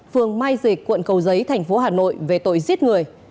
phường mai dệt quận cầu giấy tp hà nội về tội giết người